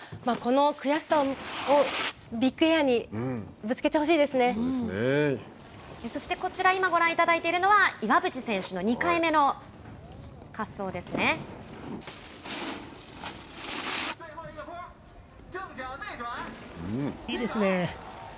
この悔しさをビッグエアにそして、こちら今ご覧いただいているのは岩渕選手の２回目の滑走ですね。